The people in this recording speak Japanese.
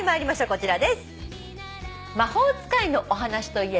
こちらです。